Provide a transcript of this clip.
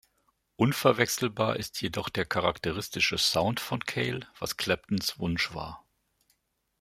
Unverwechselbar ist jedoch der charakteristische Sound von Cale, was Claptons Wunsch war.